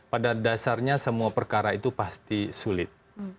pada dasarnya semua perkara itu pasti sulit